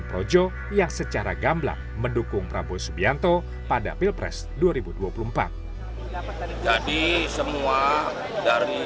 projo yang secara gamblang mendukung prabowo subianto pada pilpres dua ribu dua puluh empat dapat jadi semua dari